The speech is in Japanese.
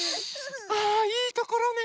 あいいところね